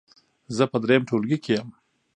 زه په دریم ټولګي کې یم.